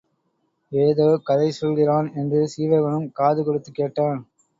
ஏதோ கதை சொல்கிறான் என்று சீவகனும் காது கொடுத்துக் கேட்டான்.